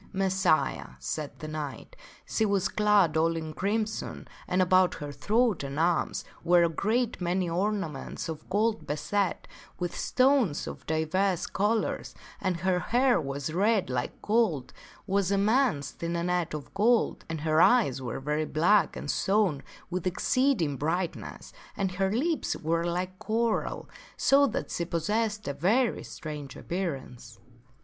" Messire," said the knight, QUEEN GUINEVERE IS AFFRONTED WITH SIR GAWAINE 291 "she was clad all in crimson, and about her throat and arms were a great many ornaments of gold beset with stones of divers colors/and her hair was red like gold and was enmeshed in a net of gold, and her eyes were very black and shone with exceeding brightness, and her lips were like coral, so that she possessed a very strange appearance."